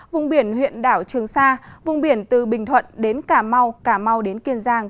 vùng biển huyện đảo trường sa vùng biển từ bình thuận đến cà mau cà mau đến kiên giang